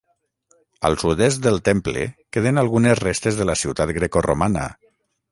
Al sud-est del temple queden algunes restes de la ciutat grecoromana.